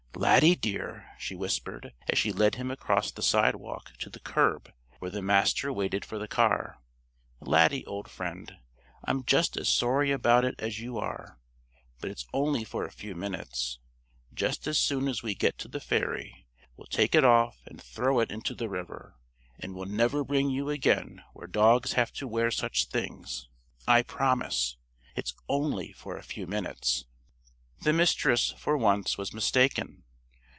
"Laddie, dear!" she whispered, as she led him across the sidewalk to the curb where the Master waited for the car. "Laddie, old friend, I'm just as sorry about it as you are. But it's only for a few minutes. Just as soon as we get to the ferry, we'll take it off and throw it into the river. And we'll never bring you again where dogs have to wear such things. I promise. It's only for a few minutes." The Mistress, for once, was mistaken.